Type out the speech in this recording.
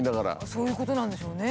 そういうことなんでしょうね。